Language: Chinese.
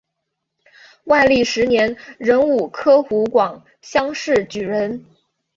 万历十年壬午科湖广乡试举人。